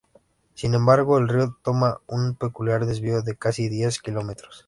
Sin embargo, el río toma un peculiar desvío de casi diez kilómetros.